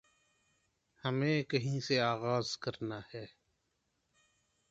ہمیں کہیں سے آغاز کرنا ہے